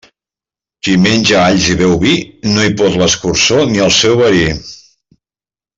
Qui menja alls i beu vi, no hi pot l'escurçó ni el seu verí.